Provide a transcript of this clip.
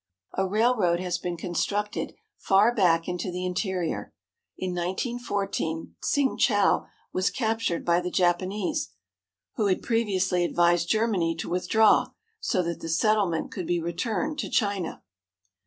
A railroad has been constructed far back into the interior. In 1914, Tsingchau was captured by the Japanese, who had previously advised Germany to withdraw so that the settlement could be returned to China.